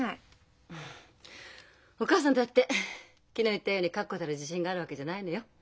お母さんだって昨日言ったように確固たる自信があるわけじゃないのよ。